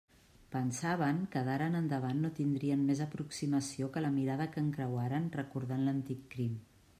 Pensaven que d'ara en avant no tindrien més aproximació que la mirada que encreuaren recordant l'antic crim.